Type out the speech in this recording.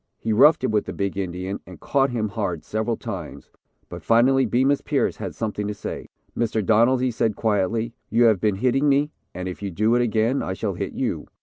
He roughed it with the big Indian and caught him hard several times, but finally Bemus Pierce had something to say. "Mr. Donald," he said, quietly, "you have been hitting me and if you do it again, I shall hit you."